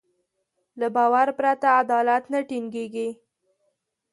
له باور پرته عدالت نه ټينګېږي.